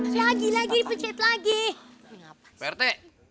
cepet pak rt